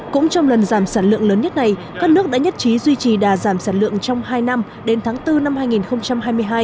cũng trong lần giảm sản lượng lớn nhất này các nước đã nhất trí duy trì đà giảm sản lượng trong hai năm đến tháng bốn năm hai nghìn hai mươi hai